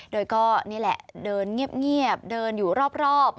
โดยก็นี่แหละเดินเงียบเดินอยู่รอบ